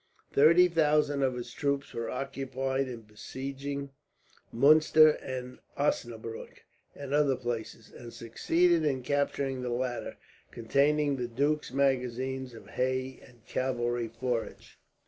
Thirty thousand of his troops were occupied in besieging Muenster and Osnabrueck, and other places, and succeeded in capturing the latter, containing the duke's magazines of hay and cavalry forage.